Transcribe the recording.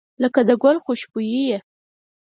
• ته لکه د ګل خوشبويي یې.